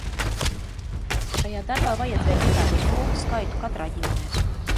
Šajā darbā vajadzēja ievērot lopu skaitu katrā ģimenē.